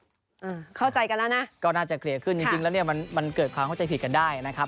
อ่าเข้าใจกันแล้วนะก็น่าจะเคลียร์ขึ้นจริงจริงแล้วเนี้ยมันมันเกิดความเข้าใจผิดกันได้นะครับ